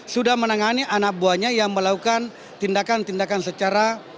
sudah menangani anak buahnya yang melakukan tindakan tindakan secara